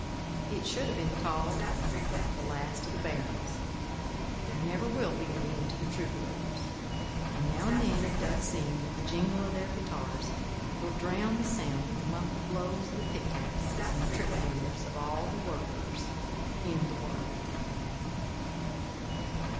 It should have been called "The Last of the Barons." There never will be an end to the troubadours; and now and then it does seem that the jingle of their guitars will drown the sound of the muffled blows of the pickaxes and trip hammers of all the Workers in the world.